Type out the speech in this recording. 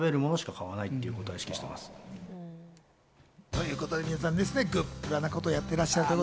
ということで皆さん、グップラなことをやってらっしゃいます。